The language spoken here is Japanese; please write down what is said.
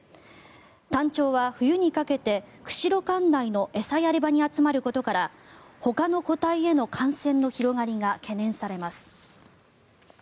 タンチョウは冬にかけて釧路管内の餌やり場に集まることからほかの個体への感染の広がりが懸念されます。